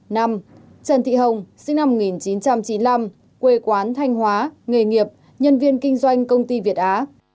năm trần thị hồng sinh năm một nghìn chín trăm chín mươi năm quê quán thanh hóa nghề nghiệp nhân viên kinh doanh công ty việt á